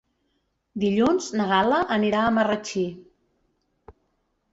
Dilluns na Gal·la anirà a Marratxí.